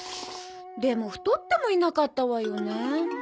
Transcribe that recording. でも太ってもいなかったわよね。